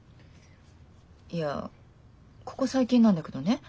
いやここ最近なんだけどね